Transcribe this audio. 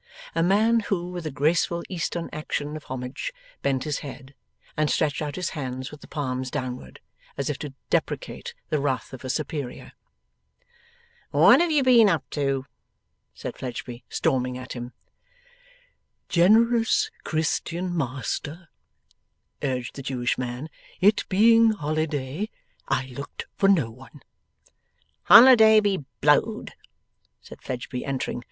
A man who with a graceful Eastern action of homage bent his head, and stretched out his hands with the palms downward, as if to deprecate the wrath of a superior. 'What have you been up to?' said Fledgeby, storming at him. 'Generous Christian master,' urged the Jewish man, 'it being holiday, I looked for no one.' 'Holiday he blowed!' said Fledgeby, entering.